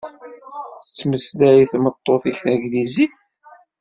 Tettmeslay tmeṭṭut-ik taglizit?